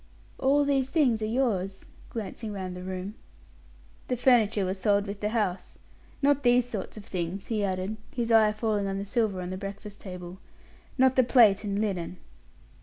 All these things are yours?" glancing round the room. "The furniture was sold with the house. Not these sort of things," he added, his eye falling on the silver on the breakfast table; "not the plate and linen."